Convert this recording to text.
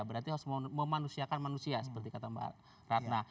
berarti harus memanusiakan manusia seperti kata mbak ratna